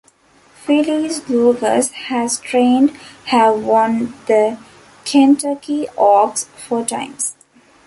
Fillies Lukas has trained have won the Kentucky Oaks four times.